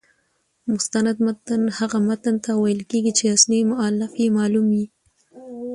مستند متن هغه متن ته ویل کیږي، چي اصلي مؤلف يې معلوم يي.